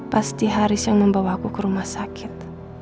pasti haris yang membawa aku ke rumah sakit